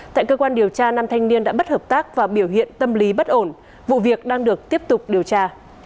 tại cơ quan điều tra năm thanh niên đã bất hợp tác và biểu hiện tâm lý bất ổn vụ việc đang được tiếp tục điều tra